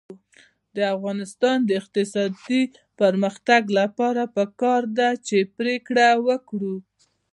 د افغانستان د اقتصادي پرمختګ لپاره پکار ده چې پرېکړه وکړو.